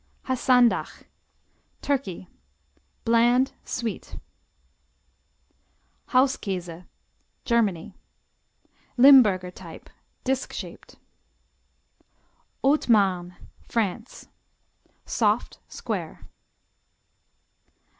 Hasandach Turkey Bland; sweet. Hauskäse. Germany Limburger type. Disk shaped. Haute Marne France Soft; square.